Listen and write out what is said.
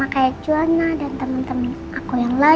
kan ada incis